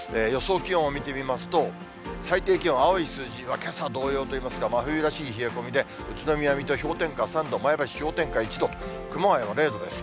気温を見てみますと、最低気温、青い数字はけさ同様といいますか、真冬らしい冷え込みで、宇都宮、水戸氷点下３度、前橋、氷点下１度、熊谷は０度ですね。